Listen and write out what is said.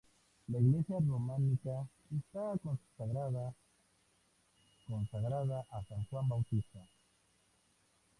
La iglesia románica está consagrada consagrada a San Juan Bautista.